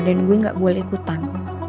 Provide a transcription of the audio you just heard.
dan gue gak boleh ikutan